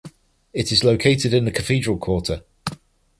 It is located in the Cathedral Quarter.